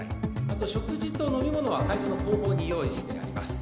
あと食事と飲み物は会場の後方に用意してあります